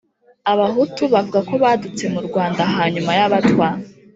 abahutu bavuga ko badutse mu rwanda hanyuma y’abatwa,